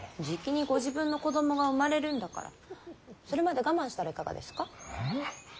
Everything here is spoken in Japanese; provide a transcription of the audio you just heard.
じきにご自分の子供が生まれるんだからそれまで我慢したらいかがですか。